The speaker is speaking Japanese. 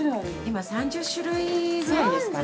◆今３０種類ぐらいですかね。